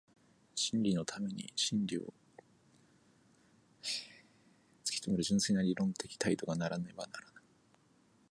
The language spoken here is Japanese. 真理のために真理を究める純粋な理論的態度がなければならぬ。